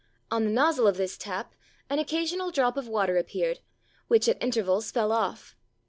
On the nozzle of this tap an occasional drop of water appeared, which at intervals fell off.